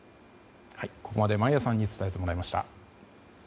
ここまで眞家さんに伝えてもらいました。